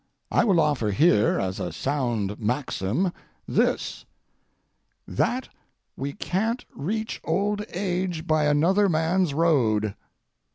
I will offer here, as a sound maxim, this: That we can't reach old age by another man's road.